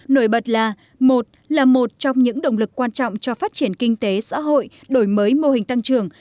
nổi bật là một là một trong những động lực quan trọng cho phát triển kinh tế xã hội đổi mới mô hình tăng trưởng